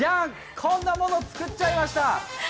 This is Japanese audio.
こんなもの作っちゃいました。